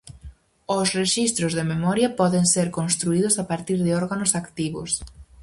Os rexistros de memoria poden ser construídos a partir de órganos activos.